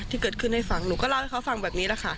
ที่เกิดขึ้นให้ฟังหนูก็เล่าให้เขาฟังแบบนี้แหละค่ะ